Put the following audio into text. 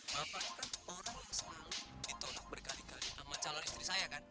bapak kan orang yang selalu ditolak berkali kali sama calon istri saya kan